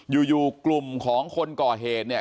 อยู่กลุ่มของคนก่อเหตุเนี่ย